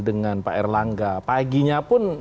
dengan pak erlangga paginya pun